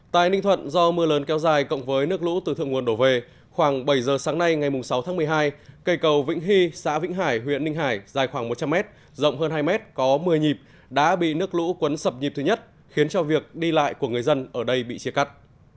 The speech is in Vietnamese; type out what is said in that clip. tại ninh thuận do mưa lớn kéo dài cộng với nước lũ từ thượng nguồn đổ về khoảng bảy giờ sáng nay ngày sáu tháng một mươi hai cây cầu vĩnh hy xã vĩnh hải huyện ninh hải dài khoảng một trăm linh mét rộng hơn hai mét có một mươi nhịp đã bị nước lũ quấn sập nhịp thứ nhất khiến cho việc đi lại của người dân ở đây bị chia cắt